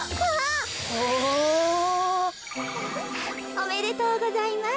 おめでとうございます。